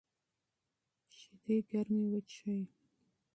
شیدې ګرمې وڅښئ.